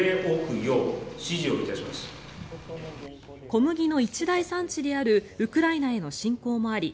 小麦の一大産地であるウクライナへの侵攻もあり